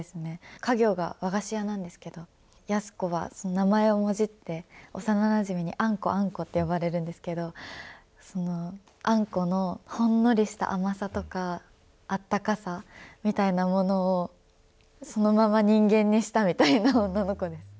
家業が和菓子屋なんですけど、安子はその名前をもじって、幼なじみに、あんこ、あんこって呼ばれるんですけど、あんこのほんのりした甘さとか、あったかさみたいなものを、そのまま人間にしたみたいな女の子です。